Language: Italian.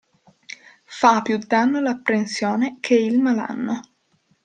Fa più danno l'apprensione che il malanno.